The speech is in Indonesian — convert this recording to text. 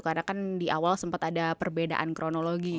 karena kan di awal sempet ada perbedaan kronologi gitu kan